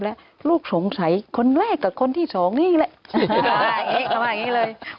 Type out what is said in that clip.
แล้วลูกสงสัยคนแรกกับคนที่สองนี่แหละเขาว่าอย่างนี้เลย